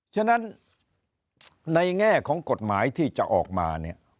ฉะนั้นในแง่ของกฎหมายที่จะออกมาเนี่ย